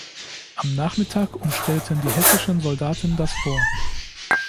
Am Nachmittag umstellten die hessischen Soldaten das Fort.